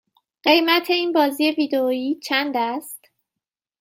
قیمت این بازی ویدیویی چند است؟